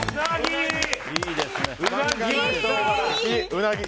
うなぎ！